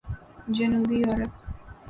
جنوبی یورپ